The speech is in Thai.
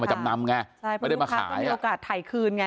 มาจำนำไงใช่เพราะลูกค้าก็มีโอกาสถ่ายคืนไง